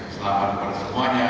selamat pada semuanya